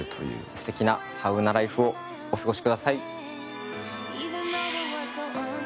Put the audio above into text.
ステキなサウナライフをお過ごしください。